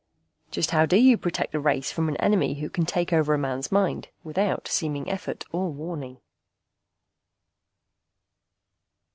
Just how do you protect a race from an enemy who can take over a man's mind without seeming effort or warning?